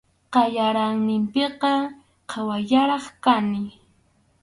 Qallariyninpiqa qhawallaqraq kani.